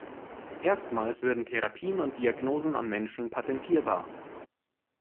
Erstmals würden Therapien und Diagnosen an Menschen patentierbar.